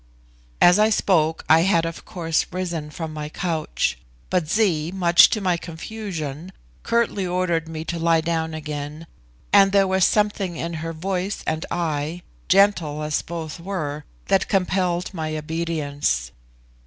As I spoke, I had of course risen from my couch: but Zee, much to my confusion, curtly ordered me to lie down again, and there was something in her voice and eye, gentle as both were, that compelled my obedience.